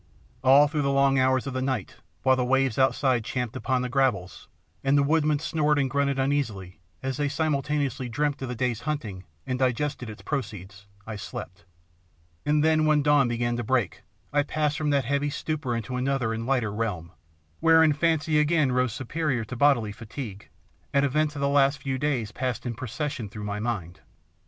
All through the long hours of the night, while the waves outside champed upon the gravels, and the woodmen snored and grunted uneasily as they simultaneously dreamt of the day's hunting and digested its proceeds, I slept; and then when dawn began to break I passed from that heavy stupor into another and lighter realm, wherein fancy again rose superior to bodily fatigue, and events of the last few days passed in procession through my mind.